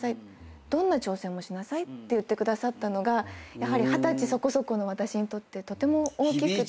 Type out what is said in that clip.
どんな挑戦もしなさい」って言ってくださったのがやはり二十歳そこそこの私にとってとても大きくて。